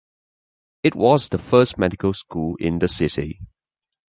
It was the first medical school in the city.